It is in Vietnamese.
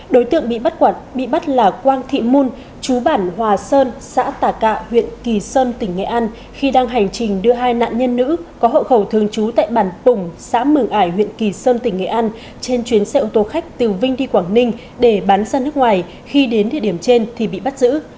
đối tượng bị bắt bị bắt là quang thị mon chú bản hòa sơn xã tà cạ huyện kỳ sơn tỉnh nghệ an khi đang hành trình đưa hai nạn nhân nữ có hậu khẩu thường trú tại bản pùng xã mường ải huyện kỳ sơn tỉnh nghệ an trên chuyến xe ô tô khách từ vinh đi quảng ninh để bán sang nước ngoài khi đến địa điểm trên thì bị bắt giữ